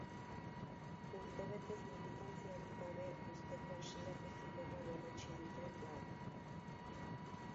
Urtebetez militantziarik gabe uzteko hasierako zigorra berretsi dute gaur.